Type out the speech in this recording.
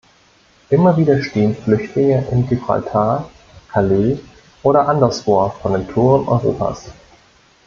Immer wieder stehen Flüchtlinge in Gibraltar, Calais oder anderswo vor den Toren Europas.